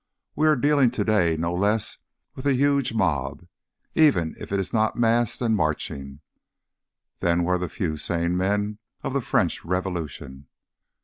We are dealing to day no less with a huge mob, even if it is not massed and marching, than were the few sane men of the French Revolution.